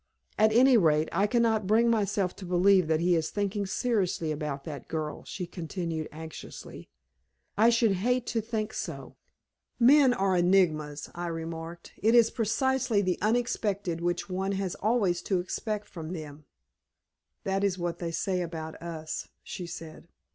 "At any rate, I cannot bring myself to believe that he is thinking seriously about that girl," she continued, anxiously. "I should hate to think so!" "Men are enigmas," I remarked. "It is precisely the unexpected which one has always to expect from them." "That is what they say about us," she said.